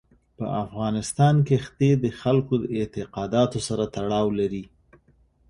په افغانستان کې ښتې د خلکو د اعتقاداتو سره تړاو لري.